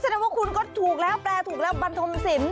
แสดงว่าคุณก็ถูกแล้วแปลถูกแล้วบันทมศิลป